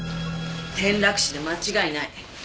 転落死で間違いない。